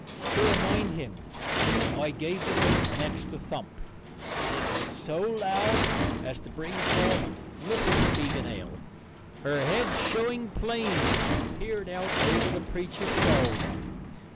To remind him I gave the weight an extra thump, and it was so loud as to bring forth Mrs. Spiegelnail, her head showing plain as she peered out over the preacher's shoulder.